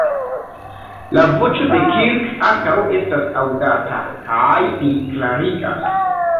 La voĉo de Kirk ankaŭ estas aŭdata, kaj li klarigas.